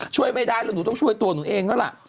ช่วยไม่ได้แล้วหนูต้องช่วยตัวหนูเองแล้วล่ะ